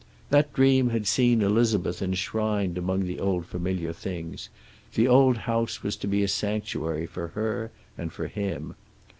That dream had seen Elizabeth enshrined among the old familiar things; the old house was to be a sanctuary for her and for him.